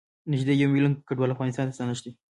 نږدې یوه میلیون کډوال افغانستان ته ستانه شوي